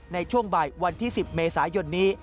ในช่วงบ่ายวันที่๑๐เมษายนนี้